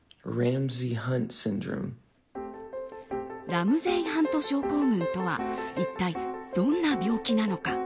ラムゼイ・ハント症候群とは一体どんな病気なのか。